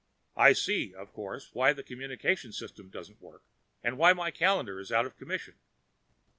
I see, of course, why the communications system doesn't work, why my calendar is out of commission.